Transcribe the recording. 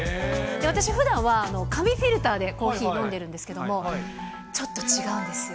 私、ふだんは紙フィルターでコーヒー飲んでるんですけれども、ちょっと違うんですよ。